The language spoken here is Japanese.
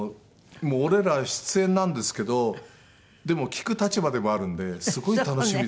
俺ら出演なんですけどでも聴く立場でもあるんですごい楽しみです。